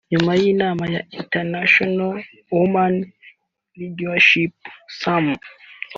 nyuma y'inama ya 'International Women Leadership Summit'